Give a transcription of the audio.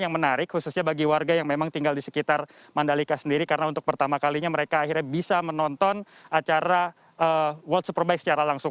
yang menarik khususnya bagi warga yang memang tinggal di sekitar mandalika sendiri karena untuk pertama kalinya mereka akhirnya bisa menonton acara world superbike secara langsung